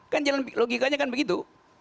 kan logikanya kan begitu